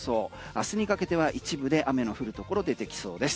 あすにかけては一部で雨の降るところ出てきそうです。